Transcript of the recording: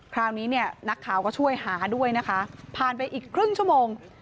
คราวนี้เนี่ยนักข่าวก็ช่วยหาด้วยนะคะผ่านไปอีกครึ่งชั่วโมง